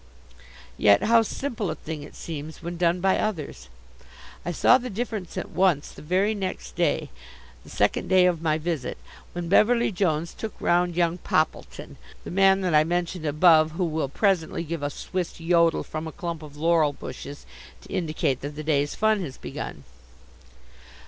Yet how simple a thing it seems when done by others. I saw the difference at once the very next day, the second day of my visit, when Beverly Jones took round young Poppleton, the man that I mentioned above who will presently give a Swiss yodel from a clump of laurel bushes to indicate that the day's fun has begun.